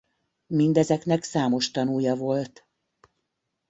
Mindezeknek számos tanúja volt.